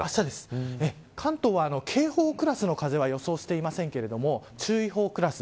関東は警報クラスの風は予想していませんけれども注意報クラス。